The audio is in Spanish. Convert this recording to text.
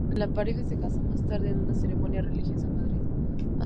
La pareja se casó más tarde en una ceremonia religiosa en Madrid.